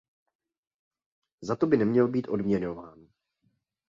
Za to by neměl být odměňován.